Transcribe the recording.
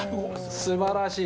すばらしい。